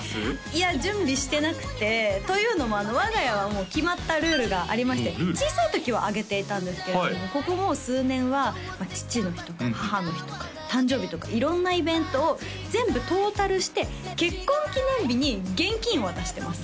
いや準備してなくってというのも我が家はもう決まったルールがありまして小さい時はあげていたんですけれどもここもう数年は父の日とか母の日とか誕生日とか色んなイベントを全部トータルして結婚記念日に現金を渡してます